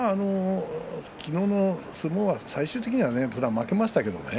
昨日の相撲は最終的にはそれは負けましたけどね